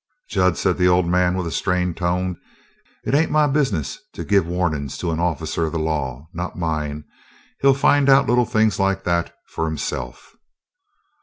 "Jud," said the old man with a strained tone, "It ain't my business to give warnin's to an officer of the law not mine. He'll find out little things like that for himself."